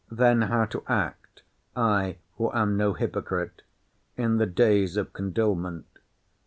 Then how to act (I who am no hypocrite) in the days of condolement!